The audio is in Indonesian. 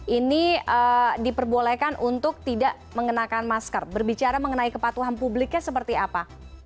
ini diperbolehkan untuk tidak mengenakan masker berbicara mengenai kepatuhan publiknya seperti apa